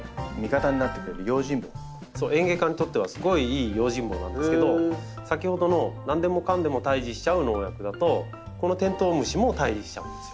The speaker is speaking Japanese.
園芸家にとってはすごいいい用心棒なんですけど先ほどの何でもかんでも退治しちゃう薬剤だとこのテントウムシも退治しちゃうんです。